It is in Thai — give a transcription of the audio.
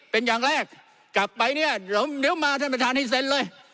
เป็นอย่างแรกกลับไปเนี่ยเดี๋ยวมาท่านประธานให้เซ็นเลย